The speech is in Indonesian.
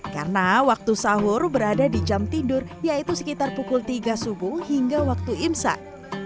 karena waktu sahur berada di jam tidur yaitu sekitar pukul tiga subuh hingga waktu imsad